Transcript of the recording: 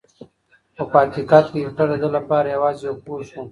خو په حقیقت کې هېټلر د ده لپاره یوازې یو پوښ و.